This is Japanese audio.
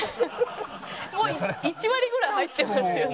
もう一割ぐらい入ってますよね。